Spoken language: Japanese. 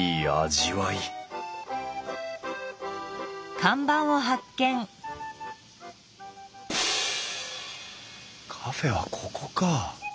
味わいカフェはここか！